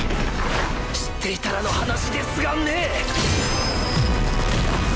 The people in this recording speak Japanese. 知っていたらの話ですがねぇ！